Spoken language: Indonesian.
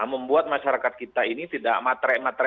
membuat masyarakat kita ini tidak matre